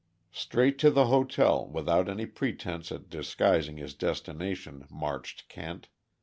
Straight to the hotel, without any pretense at disguising his destination, marched Kent.